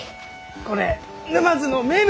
これ沼津の名物！